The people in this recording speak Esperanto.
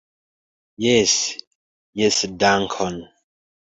Jes, jes dankon